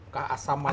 ke asamannya itu